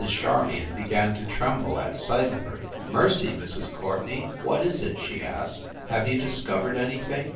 Charmion began to tremble at sight of her. "Mercy, Mrs. Courtenay, what is it?" she asked. "Have you dis covered anything?"